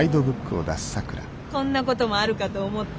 こんなこともあるかと思って。